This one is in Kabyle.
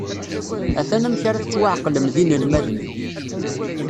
Atan amek ara tettwaεeqlem d inelmaden-iw.